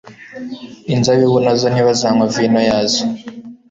inzabibu na zo ntibazanywa vino yazo